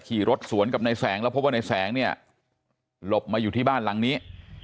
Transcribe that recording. ขี่รถสวนกับนายแสงแล้วพบว่าในแสงเนี่ยหลบมาอยู่ที่บ้านหลังนี้